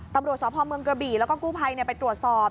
ตำรวจสพเมืองกระบี่แล้วก็กู้ภัยไปตรวจสอบ